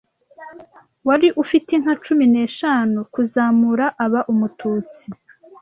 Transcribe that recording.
wari ufite inka cumi neshanu kuzamura aba Umututsi